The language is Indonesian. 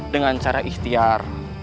dengan cara ikhtiar